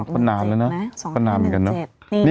สองห้าอะไรหรือไงสองห้าหนึ่งเจ็ด